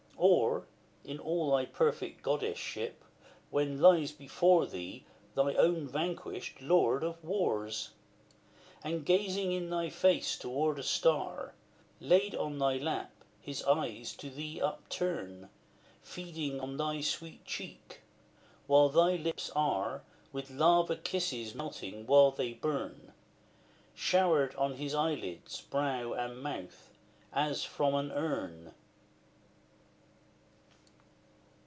or, In all thy perfect goddess ship, when lies Before thee thy own vanquished Lord of War? And gazing in thy face as toward a star, Laid on thy lap, his eyes to thee upturn, Feeding on thy sweet cheek! while thy lips are With lava kisses melting while they burn, Showered on his eyelids, brow, and mouth, as from an urn!